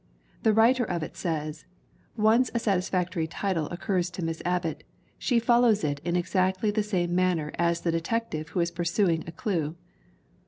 The writer of it says: "Once a satisfactory title oc curs to Miss Abbott, she follows it in exactly the same manner as the detective who is pursuing a clue."